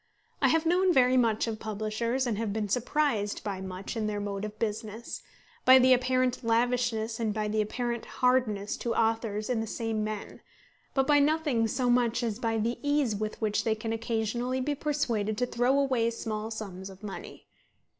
I have known very much of publishers and have been surprised by much in their mode of business, by the apparent lavishness and by the apparent hardness to authors in the same men; but by nothing so much as by the ease with which they can occasionally be persuaded to throw away small sums of money.